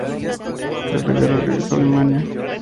Tras la guerra regresó a Alemania.